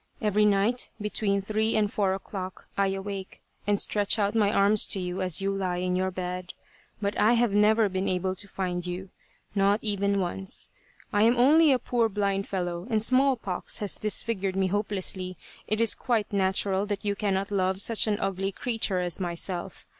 Every night be tween three and four o'clock I awake, and stretch out my arms to you as you lie in your bed, but I have never been able to find you, not even once. I am only a poor blind fellow and smallpox has disfigured me hopelessly. It is quite natural that you cannot love such an ugly creature as myself.